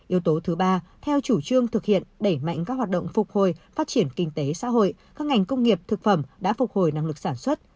yếu tố thứ ba theo chủ trương thực hiện đẩy mạnh các hoạt động phục hồi phát triển kinh tế xã hội các ngành công nghiệp thực phẩm đã phục hồi năng lực sản xuất